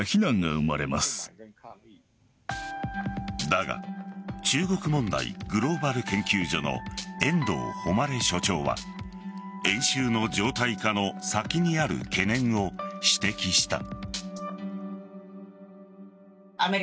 だが中国問題グローバル研究所の遠藤誉所長は演習の常態化の先にある懸念を指摘した。